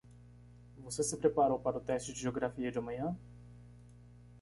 Você se preparou para o teste de Geografia de amanhã?